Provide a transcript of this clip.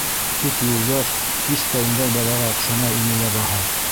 Тик Юлдаш һис тә ундай балаға оҡшамай ине лә баһа?